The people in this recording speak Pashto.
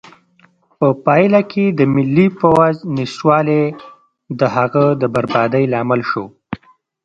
په پایله کې د ملي پوځ نشتوالی د هغه د بربادۍ لامل شو.